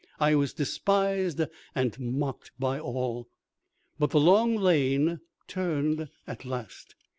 I was despised and mocked by all." But the long lane turned at last.